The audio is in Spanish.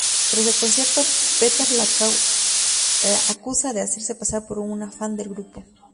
Tras el concierto, Peter la acusa de hacerse pasar por una fan del grupo.